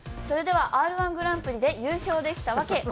それでは「Ｒ−１グランプリで優勝できたワケ」。